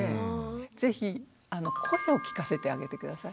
是非声を聞かせてあげて下さい。